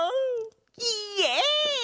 イエイ！